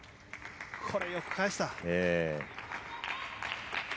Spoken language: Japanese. これは、よく返した。